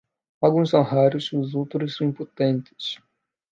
Alguns são raros e os outros são impotentes.